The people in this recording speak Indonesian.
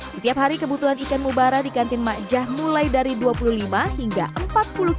setiap hari kebutuhan ikan mubara di kantin makjah mulai dari dua puluh lima hingga empat puluh kg